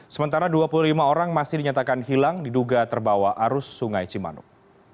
sementara dua puluh lima orang masih dinyatakan hilang diduga terbawa arus sungai cimanuk